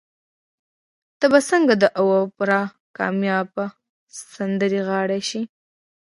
ته به څنګه د اوپرا کاميابه سندرغاړې شې؟